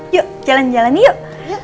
yuk jalan jalan yuk